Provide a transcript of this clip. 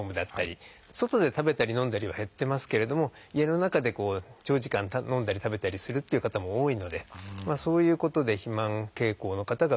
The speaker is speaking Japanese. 外で食べたり飲んだりは減ってますけれども家の中で長時間飲んだり食べたりするっていう方も多いのでそういうことで肥満傾向の方が増えています。